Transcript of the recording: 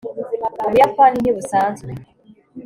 ubuyapani ntibusanzwe